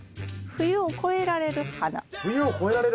冬を越えられる花。